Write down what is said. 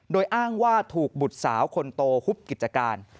โดยอ้างว่าถูกบุตรสาวคนโตฮุบกิจการ